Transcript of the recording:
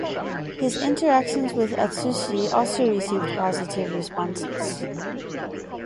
His interactions with Atsushi also received positive responses.